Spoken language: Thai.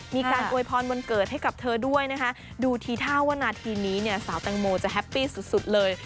มีการอวยพรวันเกิดให้กับเธอด้วยนะคะดูทีท่าว่านาทีนี้เนี่ยสาวแตงโมจะแฮปปี้สุดเลย